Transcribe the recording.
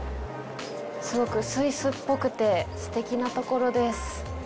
すごくスイスっぽくて、すてきな所です。